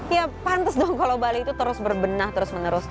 ya pantes dong kalau bali itu terus berbenah terus menerus